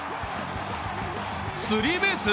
スリーベース？